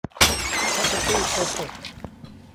พร็อพเพอร์ตี้ เพอร์เฟค